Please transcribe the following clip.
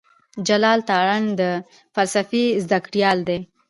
جلال تارڼ د فلسفې زده کړيال دی.